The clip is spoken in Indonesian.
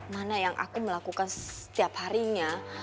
mana yang aku melakukan setiap harinya